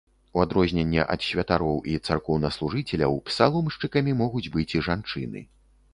У адрозненне ад святароў і царкоўнаслужыцеляў, псаломшчыкамі могуць быць і жанчыны.